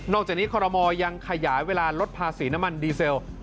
จากนี้คอรมอลยังขยายเวลาลดภาษีน้ำมันดีเซล